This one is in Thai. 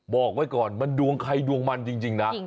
บอกไว้ก่อนมันดวงใครดวงมันจริงนะ